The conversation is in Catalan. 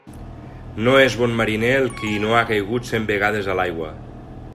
No és bon mariner el qui no ha caigut cent vegades a l'aigua.